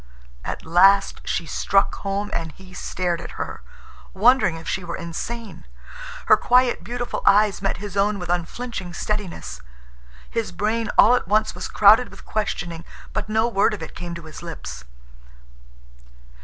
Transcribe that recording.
At last she struck home and he stared at her, wondering if she were insane. Her quiet, beautiful eyes met his own with unflinching steadiness. His brain all at once was crowded with questioning, but no word of it came to his lips.